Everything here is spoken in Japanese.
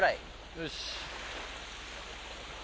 よし。